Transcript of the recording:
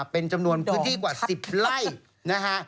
เป็นจำนวนพื้นที่กว่า๑๐ไร่นะฮะ